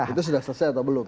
itu sudah selesai atau belum